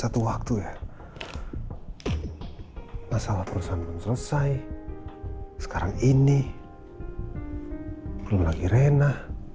satu waktu ya masalah perusahaan belum selesai sekarang ini belum lagi renah